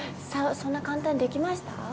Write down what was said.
そんな簡単にできました？